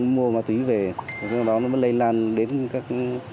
mua ma túy về sau đó nó mới lây lan đến các